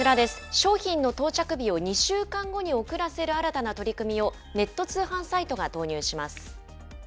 商品の到着日を２週間後に遅らせる新たな取り組みを、ネット通販サイトが導入します。